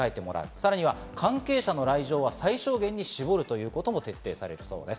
さらには関係者の来場は最小限に絞るということも徹底されるそうです。